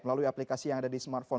melalui aplikasi yang ada di smartphone